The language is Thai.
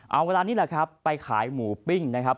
เอาเวลานี้แหละครับไปขายหมูปิ้งนะครับ